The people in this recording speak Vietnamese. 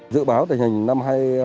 dự báo tình hình năm hai nghìn hai mươi